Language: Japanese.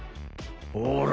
ほら！